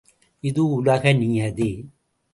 இது உலக நியதி.